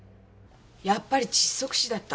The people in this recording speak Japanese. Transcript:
やっぱり窒息死だった。